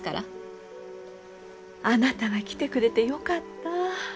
あなたが来てくれてよかった。